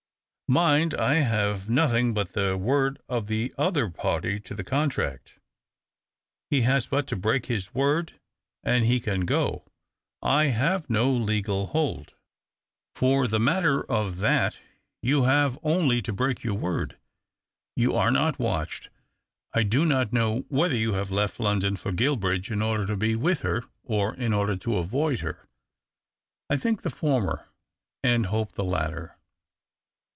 Mind, 1 have nothing but the word of the other party to the contract. He has but to break his word and he can go. I have no legal hold. " For the matter of that, you have only to Ijreak your word. You are not watched. I do not know whether you have left London for Guilbridge in order to l^e with her or in order to avoid her — I think the former and hope the latter.